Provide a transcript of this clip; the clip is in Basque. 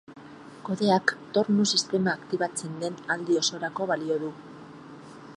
Kodeak tornu-sistema aktibatzen den aldi osorako balio du.